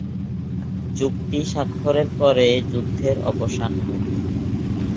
চুক্তি স্বাক্ষরের পরে যুদ্ধের অবসান ঘটে।